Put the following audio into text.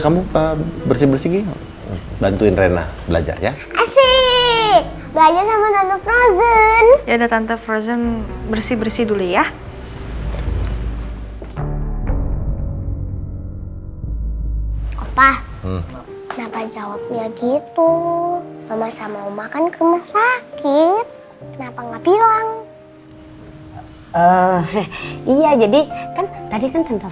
mama gak tau